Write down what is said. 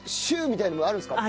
みたいなのもあるんですか？